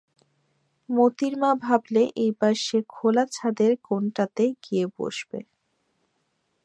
মোতির মা ভাবলে এইবার সে খোলা ছাদের কোণটাতে গিয়ে বসবে।